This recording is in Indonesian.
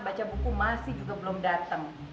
baca buku masih juga belum datang